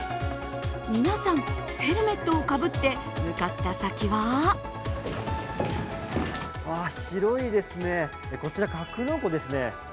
皆さん、ヘルメットをかぶって向かった先は広いですね、こちら格納庫ですね